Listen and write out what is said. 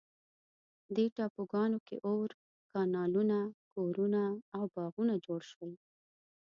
دې ټاپوګانو کې اور، کانالونه، کورونه او باغونه جوړ شول.